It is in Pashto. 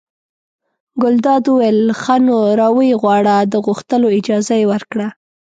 ګلداد وویل ښه! نو را ویې غواړه د غوښتلو اجازه یې ورکړه.